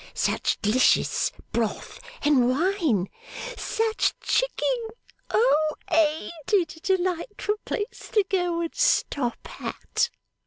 Such d'licious broth and wine! Such Chicking! Oh, AIN'T it a delightful place to go and stop at!